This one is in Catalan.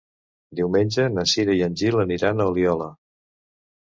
Diumenge na Cira i en Gil aniran a Oliola.